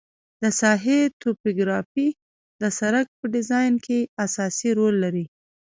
د ساحې توپوګرافي د سرک په ډیزاین کې اساسي رول لري